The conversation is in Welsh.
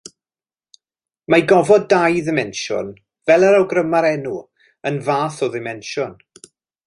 Mae gofod dau ddimensiwn, fel yr awgryma'r enw, yn fath o ddimensiwn.